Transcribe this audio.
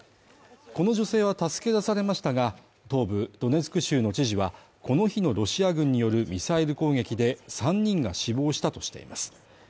この女性は助け出されましたが、東部ドネツク州の知事はこの日のロシア軍によるミサイル攻撃で３人が死亡したとしています。